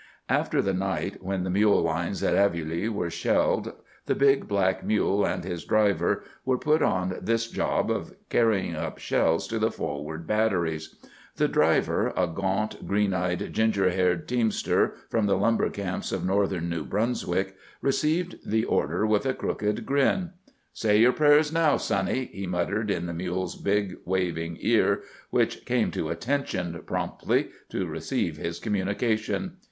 After the night when the mule lines at Aveluy were shelled, the big black mule and his driver were put on this job of carrying up shells to the forward batteries. The driver, a gaunt, green eyed, ginger haired teamster from the lumber camps of Northern New Brunswick, received the order with a crooked grin. "Say your prayers now, Sonny," he muttered in the mule's big, waving ear, which came to "attention" promptly to receive his communication.